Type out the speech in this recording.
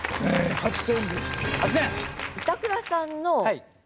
８点！